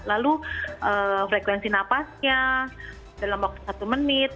lalu frekuensi napasnya dalam waktu satu menit